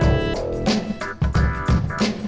simpen dulu mau berkerja ni